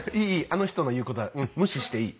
あの人の言う事は無視していい。